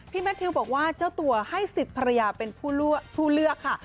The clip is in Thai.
แมททิวบอกว่าเจ้าตัวให้สิทธิ์ภรรยาเป็นผู้เลือกค่ะ